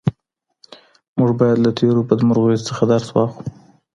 موږ باید له تېرو بدمرغیو څخه درس واخلو.